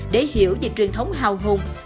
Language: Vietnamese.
để hiểu về truyền thống hào hùng